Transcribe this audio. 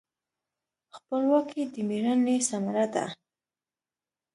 خپلواکي د میړانې ثمره ده.